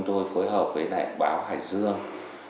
tôi phối hợp với lại báo hải dương